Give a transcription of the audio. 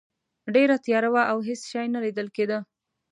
ډیره تیاره وه او هیڅ شی نه لیدل کیده.